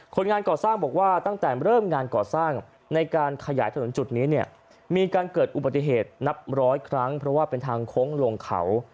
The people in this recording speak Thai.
คนงานก่อสร้างบอกว่าตั้งแต่เริ่มงานก่อสร้างในการขยายถนนจุดนี้เนี่ยมีการเกิดอุบัติเหตุนับร้อยครั้งเพราะว่าเป็นทางโค้งลงเขา